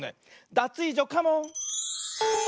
ダツイージョカモン！